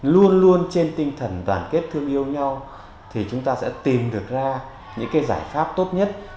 luôn luôn trên tinh thần đoàn kết thương yêu nhau thì chúng ta sẽ tìm được ra những cái giải pháp tốt nhất